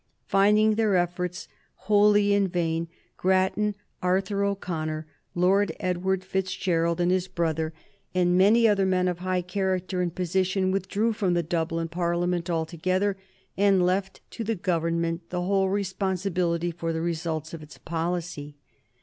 Finding their efforts wholly in vain, Grattan, Arthur O'Connor, Lord Edward Fitzgerald and his brother, and many other men of high character and position withdrew from the Dublin Parliament altogether, and left to the Government the whole responsibility for the results of its policy.